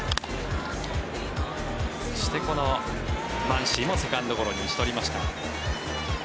そしてこのマンシーもセカンドゴロに打ち取りました。